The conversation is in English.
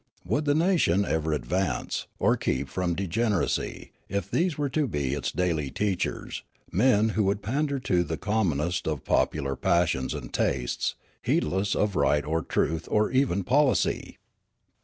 Would the nation ever advance, or keep from degen eracy, if these were to be its daily teachers, men who would pander to the commonest of popular passions and tastes, heedless of right or truth or even policN'